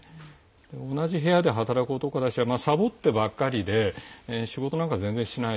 同じ部屋で働く男たちはサボってばっかりで仕事なんか全然しない。